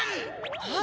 ・あっ！